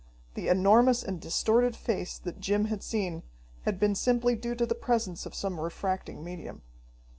The enormous and distorted face that Jim had seen had been simply due to the presence of some refracting medium.